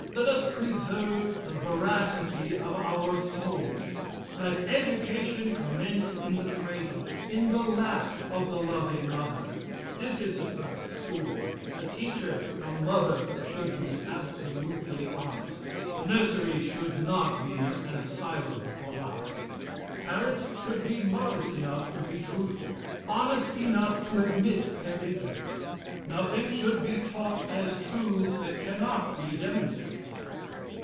Let us preserve the veracity of our souls. Let education commence in the cradle in the lap of the loving mother. This is the first school. The teacher, the mother, should be absolutely honest. The nursery should not be an asylum for lies. Parents should be modest enough to be truthful honest enough to admit their ignorance. Nothing should be taught as true that cannot be demonstrated.